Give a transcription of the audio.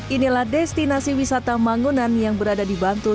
inilah destinasi wisata mangunan yang berada di bantul